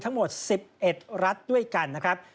ทั้งหมด๑๑รัฐด้วยกันนะครับ